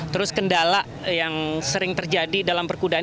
terus kendala yang sering terjadi dalam perkudaan